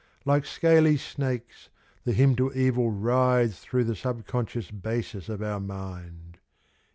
Like scaly snakes, the hymn to evil writhes Through the sub conscious basis of our mind.